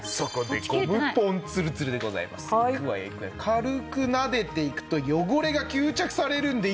軽くなでていくと汚れが吸着されるので。